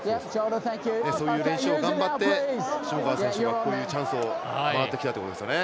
そういう練習を頑張って下川選手はこういったチャンスが回ってきたということですね